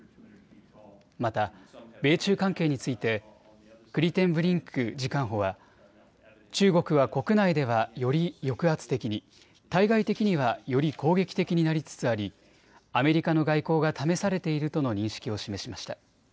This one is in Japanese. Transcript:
また米中関係についてクリテンブリンク次官補は中国は国内ではより抑圧的に対外的にはより攻撃的になりつつありアメリカの外交が試されているとの認識を示しました。